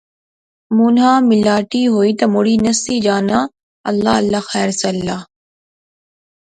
مونہہ میلاٹی ہوئی تہ مڑی نسی جانا، اللہ اللہ خیر سلا